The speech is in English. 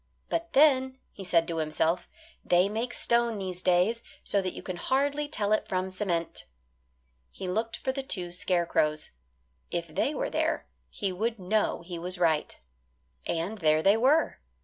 "But then," he said to himself, "they make stone these days so that you can hardly tell it from cement." He looked for the two scarecrows. If they were there he would know he was right. And there they were.